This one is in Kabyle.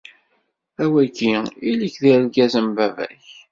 A wagi illi-k d-argaz am baba-k.